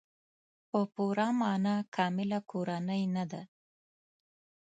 په پوره معنا کامله کورنۍ نه ده.